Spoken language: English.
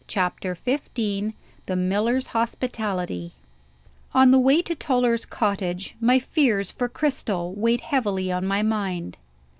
CHAPTER XV THE MILLER'S HOSPITALITY On the way to Toller's cottage, my fears for Cristel weighed heavily on my mind.